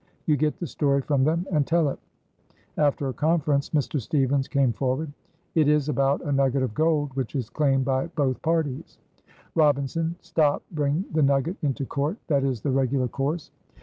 "You get the story from them, and tell it." After a conference, Mr. Stevens came forward. "It is about a nugget of gold, which is claimed by both parties." Robinson. "Stop! bring that nugget into court; that is the regular course."